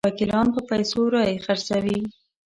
وکیلان په پیسو رایې خرڅوي.